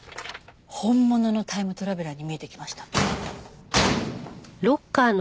本物のタイムトラベラーに見えてきました。